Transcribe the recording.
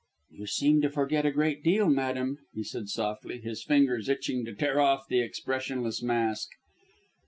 "You seem to forget a great deal, madame," he said softly, his fingers itching to tear off the expressionless mask.